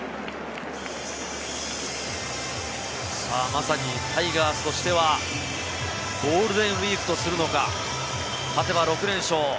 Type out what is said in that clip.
まさにタイガースとしてはゴールデンウイークとするのか、勝てば６連勝。